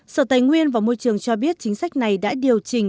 sở tài nguyên và môi trường cho biết chính sách này đã điều chỉnh